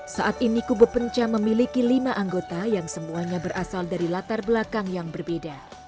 saat ini kube penca memiliki lima anggota yang semuanya berasal dari latar belakang yang berbeda